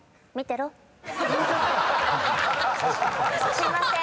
すいません。